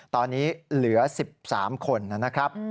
ตอนนี้เหลือ๑๓คนนะครับ